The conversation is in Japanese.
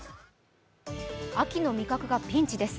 秋の味覚がピンチです。